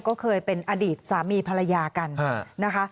ก็เคยเป็นอดีตสามีภรรยากันนะคะ